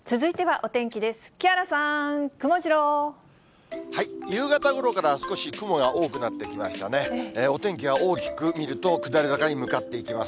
お天気は大きく見ると、下り坂に向かっていきます。